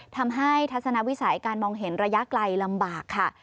ทัศนวิสัยการมองเห็นระยะไกลลำบากค่ะ